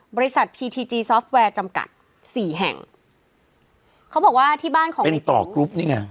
พีทีจีซอฟต์แวร์จำกัดสี่แห่งเขาบอกว่าที่บ้านของเป็นต่อกรุ๊ปนี่ไง